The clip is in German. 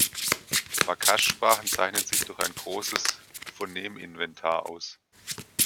Wakash-Sprachen zeichnen sich durch ein großes Phoneminventar aus.